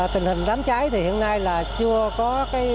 tình hình đám cháy thì hiện nay là chưa có